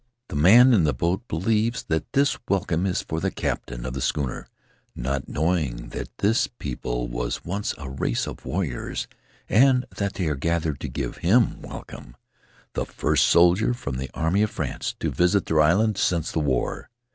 The man in the boat believes that this welcome is for the captain of the schooner, not knowing that this people was once a race of warriors, and that they are gathered to give him welcome — the first soldier from the army of France to visit their island since the war.